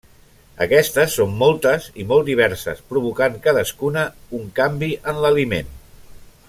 Aquestes són moltes i molt diverses provocant cadascuna un canvi en l'aliment.